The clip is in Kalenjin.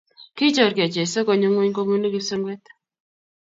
Kichorkei Jesu konyo ingweny kobuni kipsengwet